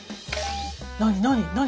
何何？